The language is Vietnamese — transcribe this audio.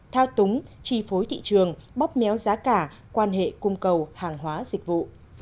thao túng chi phối thị trường bóp méo giá cả quan hệ cung cầu hàng hóa dịch vụ